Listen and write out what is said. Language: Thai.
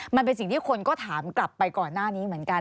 มันเป็นสิ่งที่คนก็ถามกลับไปก่อนหน้านี้เหมือนกัน